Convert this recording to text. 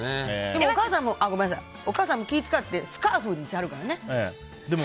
でもお母さんも気を使ってスカーフにしとるからね。